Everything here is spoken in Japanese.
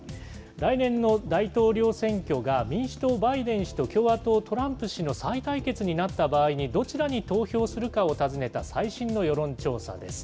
来年の大統領選挙が民主党、バイデン氏と共和党、トランプ氏と再対決になった場合に、どちらに投票するかを尋ねた最新の世論調査です。